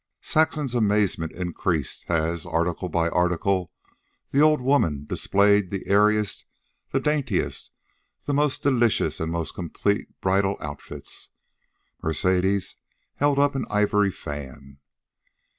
Saxon's amazement increased, as, article by article, the old woman displayed the airiest, the daintiest, the most delicious and most complete of bridal outfits. Mercedes held up an ivory fan.